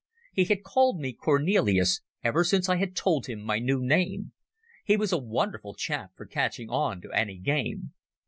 (He had called me Cornelis ever since I had told him my new name. He was a wonderful chap for catching on to any game.)